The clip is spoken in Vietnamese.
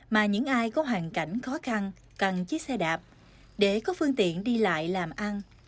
mà những ai có hoàn cảnh khó khăn cần chiếc xe đạp để có phương tiện đi lại làm ăn